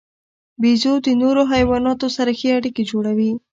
بیزو د نورو حیواناتو سره ښې اړیکې جوړوي.